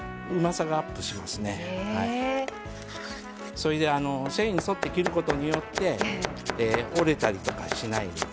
それで繊維に沿って切ることによって折れたりとかしないんです。